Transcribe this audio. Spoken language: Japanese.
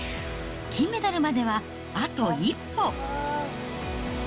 金メダルまではあと一歩。